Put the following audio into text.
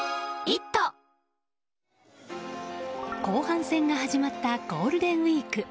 後半戦が始まったゴールデンウィーク。